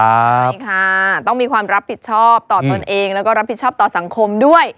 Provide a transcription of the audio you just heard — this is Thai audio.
ใช่ค่ะต้องมีความรับผิดชอบต่อตนเองแล้วก็รับผิดชอบต่อสังคมด้วย